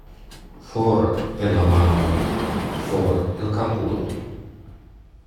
For el la manoj — for el kalkulo.